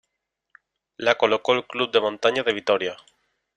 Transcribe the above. La colocó el club de montaña de Vitoria.